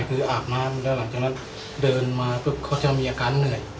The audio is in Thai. คืออาบน้ำแล้วหลังจากนั้นเดินมาปุ๊บเขาจะมีอาการเหนื่อย